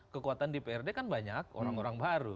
kekuatan dprd kan banyak orang orang baru